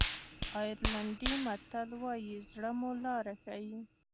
آیرلېنډي متل وایي زړه مو لاره ښیي.